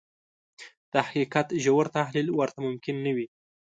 د حقيقت ژور تحليل ورته ممکن نه وي.